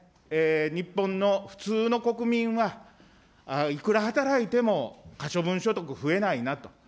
日本の普通の国民はいくら働いても可処分所得増えないなと。